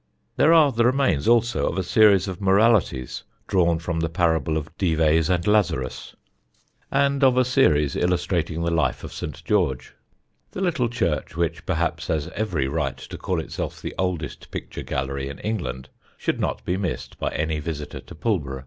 There are the remains also of a series of Moralities drawn from the parable of Dives and Lazarus, and of a series illustrating the life of St. George. The little church, which perhaps has every right to call itself the oldest picture gallery in England, should not be missed by any visitor to Pulborough.